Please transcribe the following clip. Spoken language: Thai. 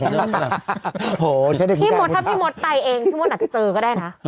พี่มดถ้าพี่มดไปเองพี่มดอาจจะเจอก็ได้นะ